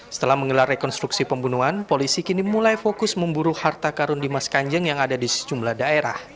setelah menggelar rekonstruksi pembunuhan polisi kini mulai fokus memburu harta karun dimas kanjeng yang ada di sejumlah daerah